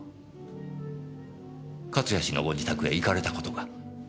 勝谷氏のご自宅へ行かれた事が？